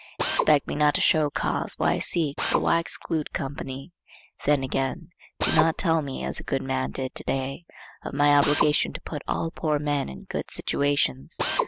Expect me not to show cause why I seek or why I exclude company. Then again, do not tell me, as a good man did to day, of my obligation to put all poor men in good situations.